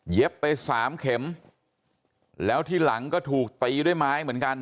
ไปสามเข็มแล้วที่หลังก็ถูกตีด้วยไม้เหมือนกัน